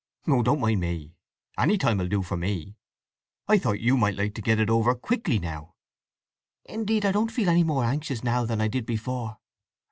"Oh, don't mind me. Any time will do for me. I thought you might like to get it over quickly, now." "Indeed, I don't feel any more anxious now than I did before.